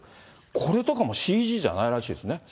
これとかもＣＧじゃないらしいですね。